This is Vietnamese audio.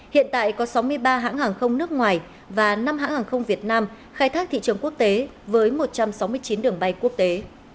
hiện tại có sáu mươi ba hãng hàng không nước ngoài và năm hãng hàng không việt nam khai thác thị trường quốc tế với một trăm sáu mươi chín đường bay quốc tế